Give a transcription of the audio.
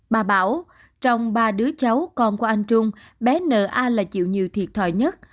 bà bảo trong ba đứa cháu con của anh trung bé n a là chịu nhiều thiệt thòi nhất